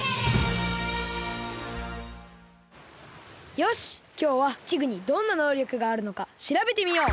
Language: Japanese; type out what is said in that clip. よしきょうはチグにどんなのうりょくがあるのかしらべてみよう。